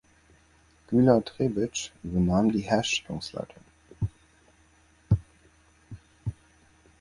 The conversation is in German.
Gyula Trebitsch übernahm die Herstellungsleitung.